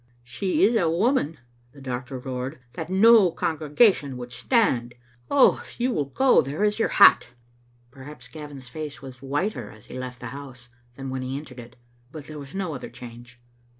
"She is a woman," the doctor roared, "that no con gregation would stand. Oh, if you will go, there is your hat." Perhaps Gavin's face was whiter as he left the house than when he entered it, but there was no other change.